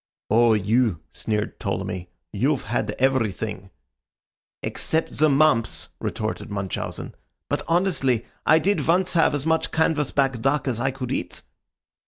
"Oh, you!" sneered Ptolemy. "You've had everything." "Except the mumps," retorted Munchausen. "But, honestly, I did once have as much canvas back duck as I could eat."